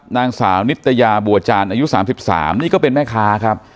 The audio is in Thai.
นางสาวนิตยาบัวจานอายุ๓๓นี่ก็เป็นแม่ค้าครับ